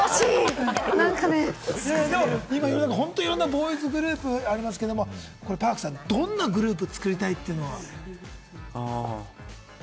今、いろんなボーイズグループがいますけれども、Ｐａｒｋさんはどんなグループを作りたいというのは？